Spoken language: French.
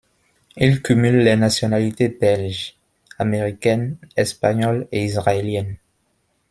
Il cumule les nationalités belge, américaine, espagnole et israélienne.